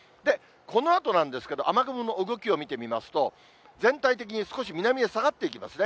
このあとなんですけど、雨雲の動きを見てみますと、全体的に少し南へ下がっていきますね。